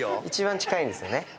一番近いんですよね。